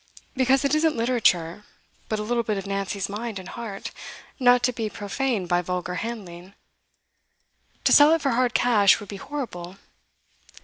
'Because it isn't literature, but a little bit of Nancy's mind and heart, not to be profaned by vulgar handling. To sell it for hard cash would be horrible.